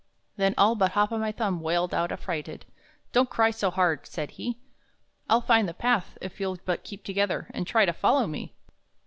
Then all but Hop o' my Thumb wailed out affrighted. "Don't cry so hard!" said he. "I'll find the path, if you'll but keep together And try to follow me!"